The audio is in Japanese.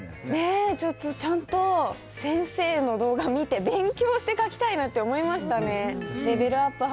ねえ、ちょっとちゃんと、先生の動画見て、勉強して描きたいなって思いましたね。